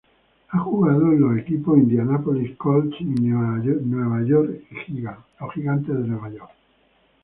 Ha jugado en los equipos Indianapolis Colts y New York Giants.